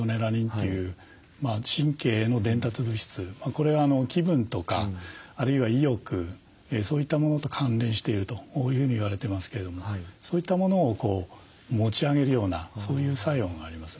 これは気分とかあるいは意欲そういったものと関連しているというふうに言われてますけれどもそういったものを持ち上げるようなそういう作用がありますね。